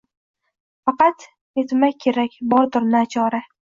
Faqat netmak kerak, bordir na chora